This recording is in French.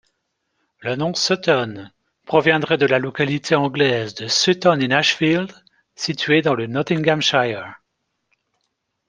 Le nom Sutton proviendrait de la localité anglaise de Sutton-in-Ashfield, située dans le Nottinghamshire.